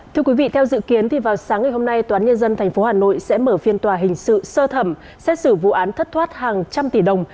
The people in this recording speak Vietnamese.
thưa quý vị theo dự kiến vào sáng ngày hôm nay toán nhân dân tp hà nội sẽ mở phiên tòa hình sự sơ thẩm xét xử vụ án thất thoát hàng trăm tỷ đồng